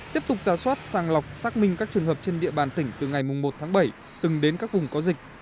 tiếp tục giả soát sàng lọc xác minh các trường hợp trên địa bàn tỉnh từ ngày một tháng bảy từng đến các vùng có dịch